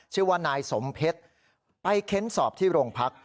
ชื่อว่านายสมเพชรไปเค้นสอบที่โรงพัก